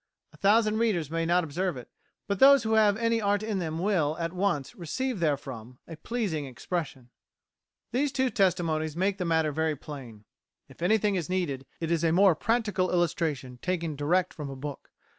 A thousand readers may not observe it; but those who have any art in them will at once receive therefrom a pleasing impression."[83:A] These two testimonies make the matter very plain. If anything is needed it is a more practical illustration taken direct from a book.